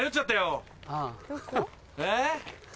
えっ？